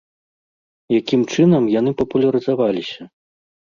Якім чынам яны папулярызаваліся?